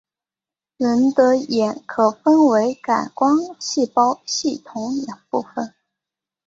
人的眼可分为感光细胞系统两部分。